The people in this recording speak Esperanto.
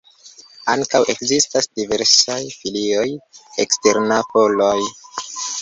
Ankaŭ ekzistas diversaj filioj eksternapolaj.